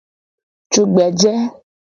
Tugbeje.